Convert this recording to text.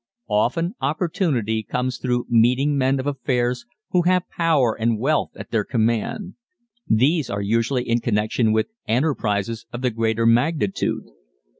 Often opportunity comes through meeting men of affairs who have power and wealth at their command. These are usually in connection with enterprises of the greater magnitude.